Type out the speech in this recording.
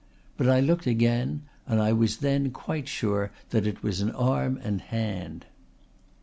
But I looked again and I was then quite sure that it was an arm and hand."